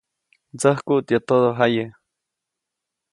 Ndsäjkuʼt yäʼ todojaye.